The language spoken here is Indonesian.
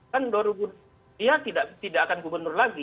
kan dia tidak akan gubernur lagi